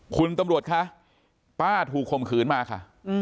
คุณตำรวจคะป้าถูกข่มขืนมาค่ะ